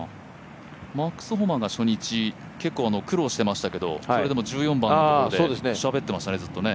マックス・ホマが初日苦労していましたけどそれでも１４番のところでしゃべってましたね、ずっとね。